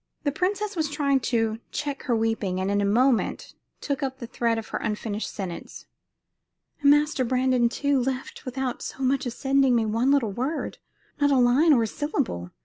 The princess was trying to check her weeping, and in a moment took up the thread of her unfinished sentence: "And Master Brandon, too, left without so much as sending me one little word not a line nor a syllable.